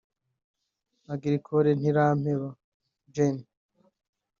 Agricole Ntirampeba; Gen